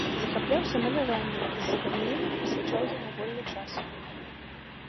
Захапляўся маляваннем і з задавальненнем прысвячаў яму вольны час.